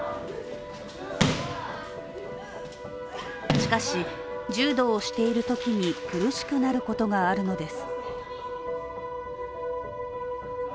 しかし、柔道をしているときに苦しくなることがあるのです。